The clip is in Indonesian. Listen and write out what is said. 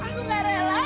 aku gak rela sya